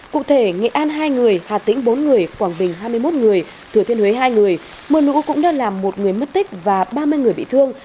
cụ thể nghệ an hai người hà tĩnh bốn người quảng bình hai mươi một người thừa thiên huế hai người mưa lũ cũng đã làm một người mất tích và ba mươi người bị thương